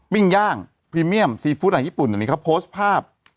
ปิ้งย่างพรีเมียมซีฟู้ดหลังญี่ปุ่นนี่ครับโพสต์ภาพ